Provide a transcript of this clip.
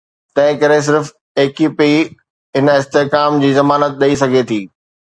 تنهنڪري صرف AKP هن استحڪام جي ضمانت ڏئي سگهي ٿي.